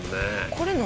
これ何？